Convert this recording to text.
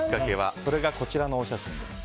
それが、こちらのお写真です。